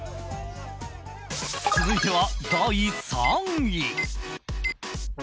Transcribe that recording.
続いては第３位。